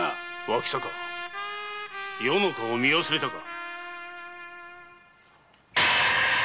脇坂余の顔を見忘れたか。